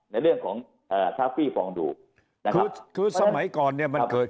ในเรื่องของเอ่อทรัฟฟี่ฟองดูนะครับคือสมัยก่อนเนี่ยมันเกิด